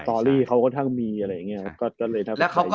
สตอรี่เขาก็ตั้งมีอะไรอยู่ก็เลยน่าปฆาญเยอะ